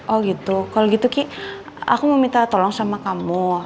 oh gitu kalau gitu kik aku mau minta tolong sama kamu